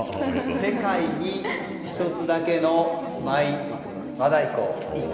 世界に１つだけのマイ和太鼓「イット！」